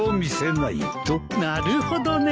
なるほどね。